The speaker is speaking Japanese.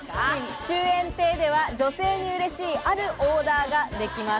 中園亭では女性に嬉しいあるオーダーができます。